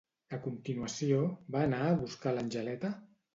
A continuació, va anar a buscar l'Angeleta?